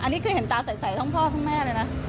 อันนี้คือเห็นตาใสทั้งพ่อทั้งแม่เลยนะ